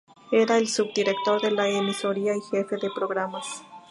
Era el subdirector de la emisora y jefe de programas.